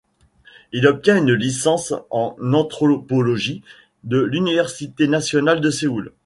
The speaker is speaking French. Il obtient une licence en anthropologie de l'université nationale de Séoul.